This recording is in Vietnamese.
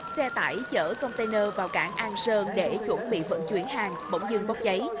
xe tải chở container vào cảng an sơn để chuẩn bị vận chuyển hàng bỗng dưng bốc cháy